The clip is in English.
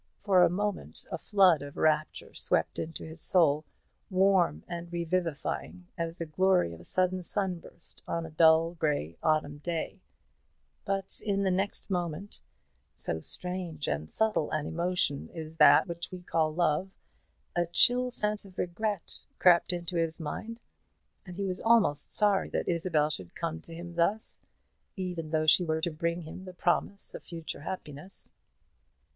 For a moment a flood of rapture swept into his soul, warm and revivifying as the glory of a sudden sunburst on a dull grey autumn day; but in the next moment, so strange and subtle an emotion is that which we call love, a chill sense of regret crept into his mind, and he was almost sorry that Isabel should come to him thus, even though she were to bring him the promise of future happiness.